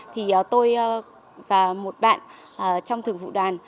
thì tôi và một bạn trong thường vụ đoàn